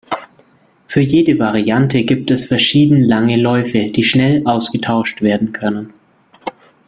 Für jede Variante gibt es verschieden lange Läufe, die schnell ausgetauscht werden können.